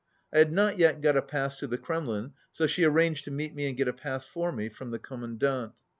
I had not yet got a pass to the Kremlin, so she arranged to meet me and get a pass for me from the Commandant.